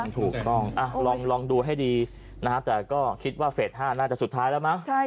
ถูกต้องลองดูให้ดีนะฮะแต่ก็คิดว่าเฟส๕น่าจะสุดท้ายแล้วมั้ง